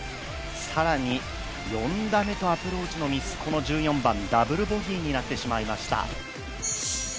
更に４打目とアプローチのミス、この１４番ダブルボギーになってしまいました。